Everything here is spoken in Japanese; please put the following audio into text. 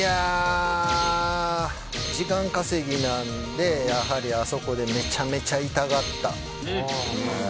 時間稼ぎなのでやはりあそこでめちゃめちゃ痛がった。